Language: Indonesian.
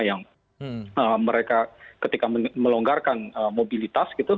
yang mereka ketika melonggarkan mobilitas gitu